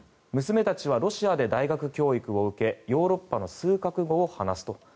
娘たちはロシアで大学教育を受けヨーロッパの数か国語を話すと。